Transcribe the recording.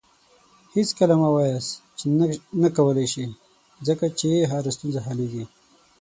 هېڅکله مه وایاست چې نه کولی شې، ځکه چې هره ستونزه حلیږي.